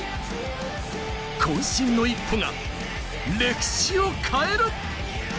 渾身の一歩が歴史を変える。